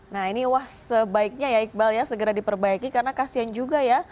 nah ini wah sebaiknya ya iqbal ya segera diperbaiki karena kasian juga ya